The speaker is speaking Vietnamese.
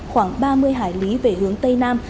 khoảng ba mươi hải lý về hướng tây nam